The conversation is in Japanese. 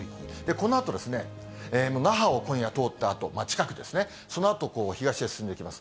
このあと、那覇を今夜通ったあと、近くですね、そのあと東へ進んできます。